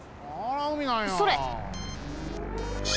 それ。